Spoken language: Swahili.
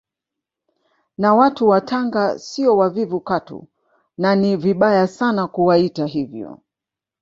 Na watu wa Tanga sio wavivu katu na ni vibaya sana kuwaita hivyo